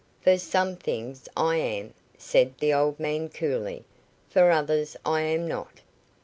"For some things I am," said the old man, coolly. "For others I am not."